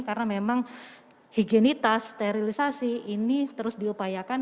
karena memang higienitas sterilisasi ini terus diupayakan